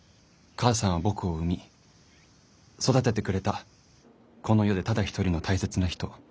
母さんは僕を生み育ててくれたこの世でただ一人の大切な人。